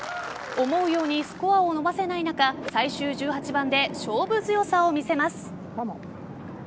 思うようにスコアを伸ばせない中最終１８番で勝負強さを見せます。